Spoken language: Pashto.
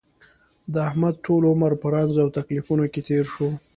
د احمد ټول عمر په رنځ او تکلیفونو کې تېر شو.